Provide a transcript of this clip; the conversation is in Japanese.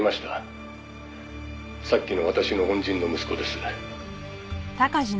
「さっきの私の恩人の息子です」